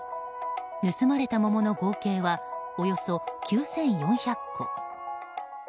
盗まれた桃の合計はおよそ９４００個。